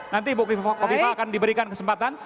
nanti ibu piva akan diberikan kesempatan